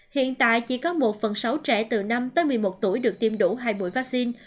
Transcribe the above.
hiện tại chỉ có một phần sáu trẻ từ năm tới một mươi một tuổi được tiêm đủ hai mũi vaccine